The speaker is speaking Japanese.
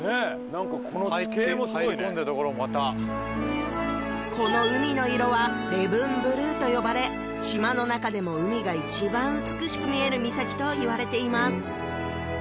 何かこの地形もすごいね入り込んでいるところもまたこの海の色は「レブンブルー」と呼ばれ島の中でも海が一番美しく見える岬と言われています